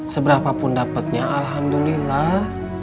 seberapa pun dapatnya alhamdulillah